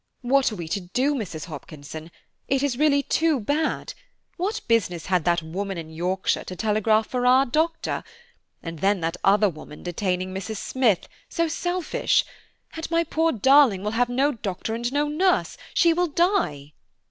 "What are we to do, Mrs. Hopkinson? It is really too bad; what business had that woman in Yorkshire to telegraph for our doctor? And then that other woman detaining Mrs. Smith–so selfish! And my poor darling will have no doctor and no nurse–she will die."